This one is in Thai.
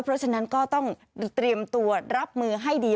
เพราะฉะนั้นก็ต้องเตรียมตัวรับมือให้ดี